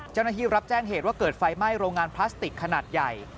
เจ้าหน้าที่รับแจ้งเหตุว่าเกิดไฟไหม้โรงงานพลาสติกขนาดใหญ่